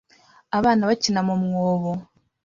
Abana bakina mu mwobo